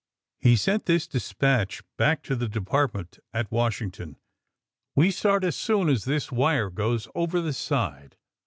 He sent tliis de spatch back to the Department at Washington: ^^We start as soon as this wire goes over the side.